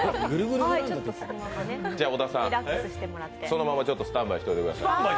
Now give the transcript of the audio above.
小田さん、そのままスタンバイしとってください。